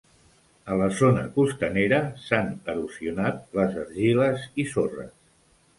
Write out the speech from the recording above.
A la zona costanera s'han erosionat les argiles i sorres.